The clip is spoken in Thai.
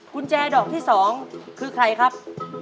กุญแจดอกที่๒คือใครครับ